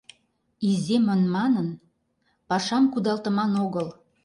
Иземын манын, пашам кудалтыман огыл.